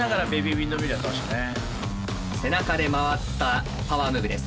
背中で回ったパワームーブです。